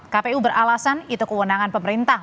kpu beralasan itu kewenangan pemerintah